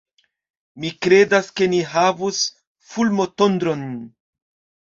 Mi kredas, ke ni havos fulmotondron.